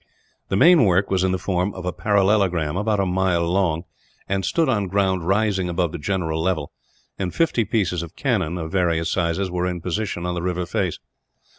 The main work was in the form of a parallelogram, about a mile long, and stood on ground rising above the general level; and fifty pieces of cannon, of various sizes, were in position on the river face.